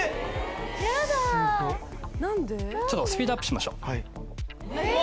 ちょっとスピードアップしましょう。